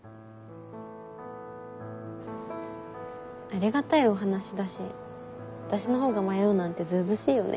ありがたいお話だし私のほうが迷うなんてずうずうしいよね。